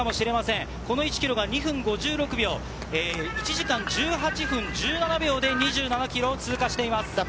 この１ｋｍが２分５６秒、１時間１８分１７秒で２７ｋｍを通過しています。